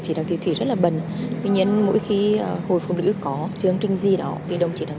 chỉ đăng thi thủy rất là bẩn tuy nhiên mỗi khi hội phụ nữ có chương trình gì đó thì đồng chỉ đăng